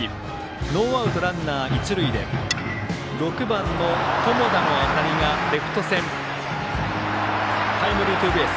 ノーアウトランナー、一塁で６番の友田の当たりがレフト線タイムリーツーベース。